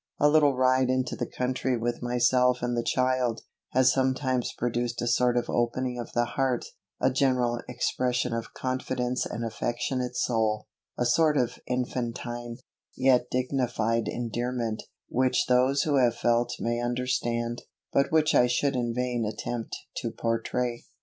A little ride into the country with myself and the child, has sometimes produced a sort of opening of the heart, a general expression of confidence and affectionate soul, a sort of infantine, yet dignified endearment, which those who have felt may understand, but which I should in vain attempt to pourtray.